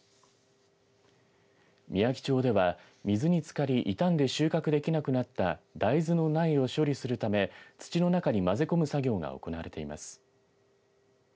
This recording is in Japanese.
みやき町では水につかり傷んで収穫できなくなった大豆の苗を処理するため土の中にまぜ込む作業が行われています。